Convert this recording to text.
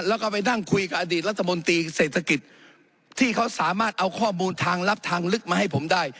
แล้วก็ไปนั่งคุยกับอดีตรัฐมนตรีเศรษฐกิจที่เขาสามารถเอาข้อมูลทางลับทางลึกมาให้ผมได้